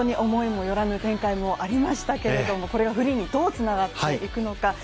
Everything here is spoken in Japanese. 思いも寄らぬ展開もありましたけども、これをフリーにどうつながっていくのか。